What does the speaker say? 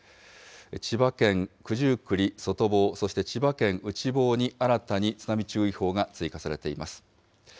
千葉県九十九里外房、そして千葉県内房に新たに津波注意報が追加されています。